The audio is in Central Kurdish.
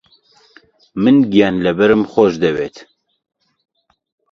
من گیانلەبەرم خۆش دەوێت.